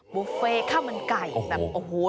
บุฟเฟ่ข้าวมันไก่แบบโอ้โห